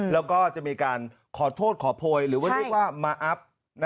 แล้วก็จะมีการขอโทษขอพลอยหรือมะอับ